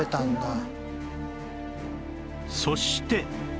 そして